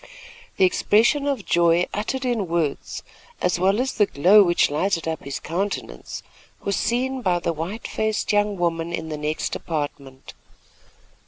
The expression of joy uttered in words, as well as the glow which lighted up his countenance, was seen by the white faced young woman in the next apartment.